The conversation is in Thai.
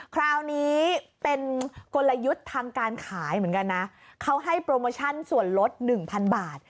คราวนี้เป็นกลยุทธ์ทางการขายเหมือนกันนะเขาให้โปรโมชั่นส่วนลดหนึ่งพันบาท